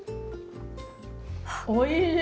おいしい！